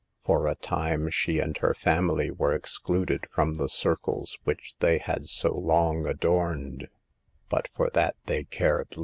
For a time she and her family were excluded from the circles which they had so long adorned, but for that they cared little.